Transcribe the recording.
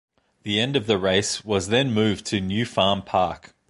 The end of the race was then moved to New Farm Park.